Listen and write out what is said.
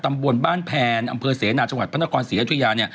ตำบวนบ้านแผนอำเภอเสนาจังหวัดพนักรสีและทุยา